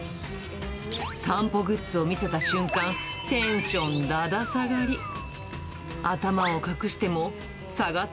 散歩グッズを見せた瞬間、テンションだだ下がり。